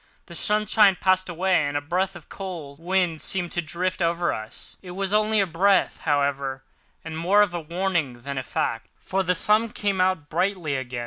The sunshine passed away, and a breath of cold wind seemed to drift past us. It was only a breath, however, and more in the nature of a warning than a fact, for the sun came out brightly again.